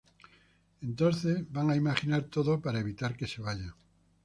Entonces van a imaginar todo para evitar que se vayan.